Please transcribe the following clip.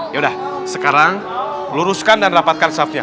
yaudah sekarang luruskan dan rapatkan safnya